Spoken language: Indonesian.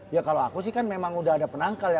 ya kalau aku sih kan memang udah ada penangkal ya